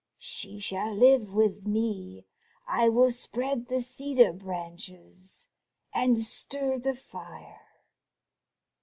She shall live with me: I will spread the cedar branches and stir the fire.